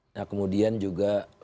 nah kemudian juga lolos itu